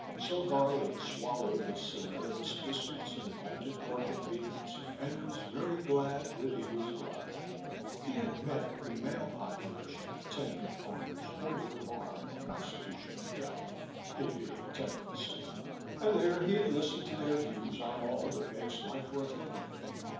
So Garland swallowed his saleratus biscuits and bolted pork and beans, and was very glad that he was alive. He had met the male population of Ten Pin Comers over the bar at the Constitution Hotel, — 229 230 Tlie Boys Sister. it being a temperance state — and there he had listened to their views on all that makes life worth living.